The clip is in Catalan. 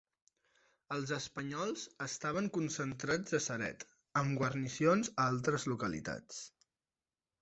Els espanyols estaven concentrats a Ceret, amb guarnicions a altres localitats.